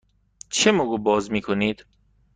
چه موقع باز می کنید؟